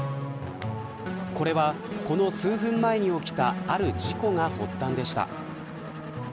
これはこの数分前に起きたある事故が発端でした。